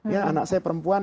ya anak saya perempuan